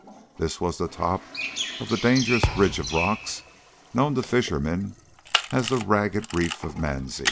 This was the top of the dangerous ridge of rocks known to the fishermen as the "ragged reef o' Mansie."